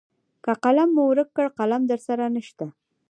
که قلم مو ورک کړ قلم درسره نشته .